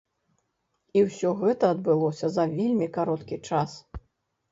І ўсё гэта адбылося за вельмі кароткі час.